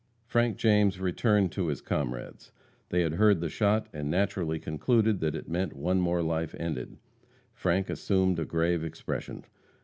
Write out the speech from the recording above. Frank James returned to his comrades. They had heard the shot and naturally concluded that it meant one more life ended. Frank assumed a grave expression.